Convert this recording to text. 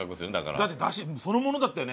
だって出汁そのものだったよね。